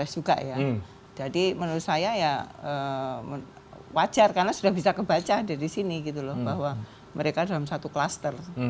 jadi menurut saya ya wajar karena sudah bisa kebaca dari sini gitu loh bahwa mereka dalam satu klaster